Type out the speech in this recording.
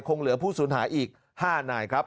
เหลือผู้สูญหายอีก๕นายครับ